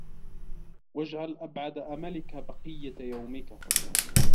وَاجْعَلْ أَبْعَدَ أَمْلِكَ بَقِيَّةَ يَوْمِك